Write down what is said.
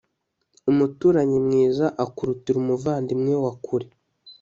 umuturanyi mwiza akurutira umuvandimwe wakure